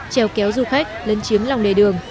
trèo kéo du khách lên chiếm lòng đề đường